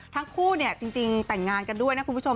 ทั้งคู่เนี่ยจริงแต่งงานกันด้วยนะคุณผู้ชม